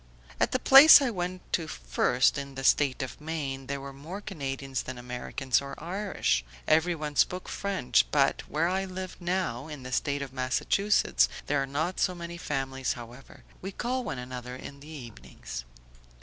"At the place I went to first, in the State of Maine, there were more Canadians than Americans or Irish; everyone spoke French; but where I live now, in the State of Massachusetts, there are not so many families however; we call on one another in the evenings."